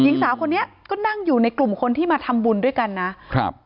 หญิงสาวคนนี้ก็นั่งอยู่ในกลุ่มคนที่มาทำบุญด้วยกันนะครับ